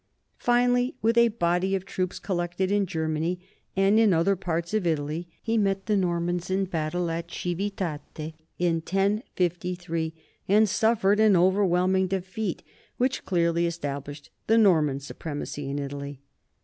Finally, with a body of troops collected in Germany and in other parts of Italy, he met the Normans in battle at Civitate, in 1053, and suffered an overwhelming defeat which clearly established the Norman supremacy in Italy.